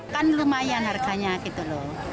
kan lumayan harganya gitu loh